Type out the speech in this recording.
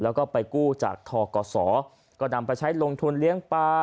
แล้วก็ไปกู้จากทกศก็นำไปใช้ลงทุนเลี้ยงปลา